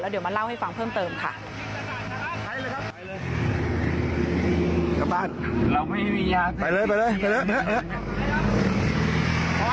จอดซ้ายอย่าต้องให้ผมใช้นะผมยิงซะกัดนะครับ